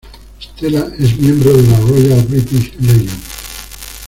Stella es miembro de la Royal British Legion.